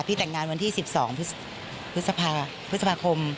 แต่งงานวันที่๑๒พฤษภาคม